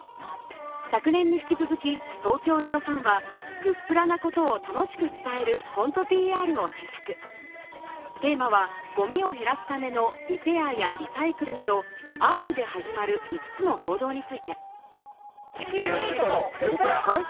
昨年に引き続き東京０３は「＃グップラ」なことを楽しく伝えるコントＰＲを制作テーマはゴミを減らすためのリペアやリサイクルなど「Ｒ」で始まる５つの行動について地球にいいこと「＃グップラ」。